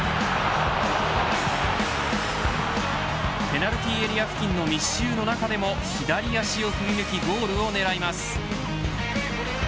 ペナルティーエリア付近の密集の中でも左足を振り抜きゴールを狙います。